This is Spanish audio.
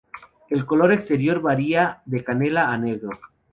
El color exterior varía de canela a negro.